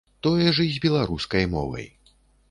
Тое ж і з беларускай мовай.